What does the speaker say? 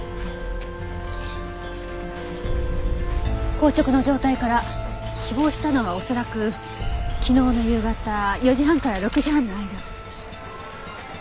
硬直の状態から死亡したのは恐らく昨日の夕方４時半から６時半の間。